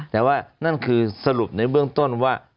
แต่ว่านั่นคือสรุปในเบื้องต้นว่า